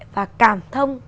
và cảm thông